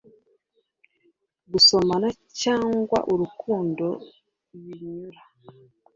gusomana cyangwa urukundo birnyura